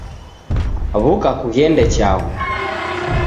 W'uka kughende chaghu